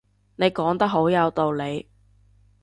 你講得好有道理